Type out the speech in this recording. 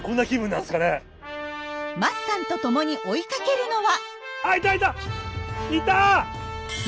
桝さんとともに追いかけるのは。